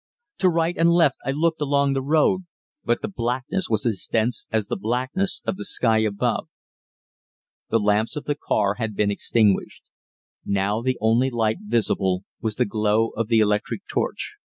To right and left I looked along the road, but the blackness was as dense as the blackness of the sky above. The lamps of the car had been extinguished. Now the only light visible was the glow of the electric torch.